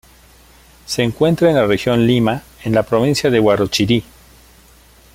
Se encuentra en la región Lima, en la provincia de Huarochirí.